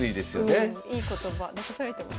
いい言葉残されてますね。